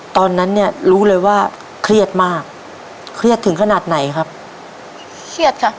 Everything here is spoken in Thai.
ตอนนั้นเนี่ยรู้เลยว่าเครียดมากเครียดถึงขนาดไหนครับเครียดค่ะ